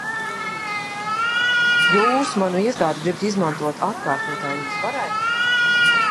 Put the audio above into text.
Jūs manu iestādi gribat izmantot atkārtotai uzvarai?